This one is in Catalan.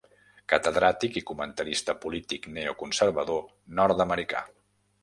Catedràtic i comentarista polític neoconservador nord-americà.